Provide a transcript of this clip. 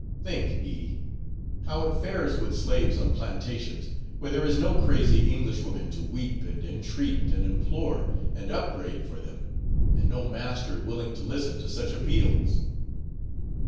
Think, E , how it fares with slaves on plantations where there is no crazy Englishwoman to weep and entreat and implore and upbraid for them, and no master willing to listen to such appeals.